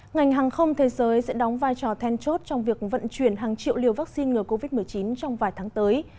ngành hàng không thế giới sẽ đóng vai trò then chốt trong việc vận chuyển hàng triệu liều vaccine ngừa covid một mươi chín trong vài tháng tới